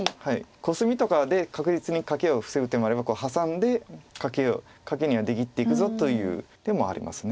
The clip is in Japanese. コスミとかで確実にカケを防ぐ手もあればハサんでカケには出切っていくぞという手もあります。